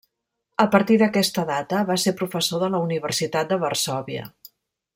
A partir d'aquesta data va ser professor de la universitat de Varsòvia.